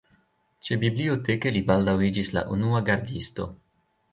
Ĉebiblioteke li baldaŭ iĝis la unua gardisto.